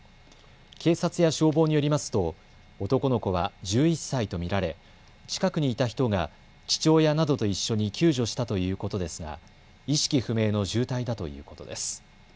警察や消防によりますと男の子は１１歳と見られ近くにいた人が父親などと一緒に救助したということですが意識不明の重体だということです。